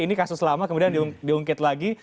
ini kasus lama kemudian diungkit lagi